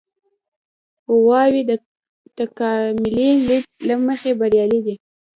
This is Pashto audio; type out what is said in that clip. غواوې د تکاملي لید له مخې بریالۍ دي.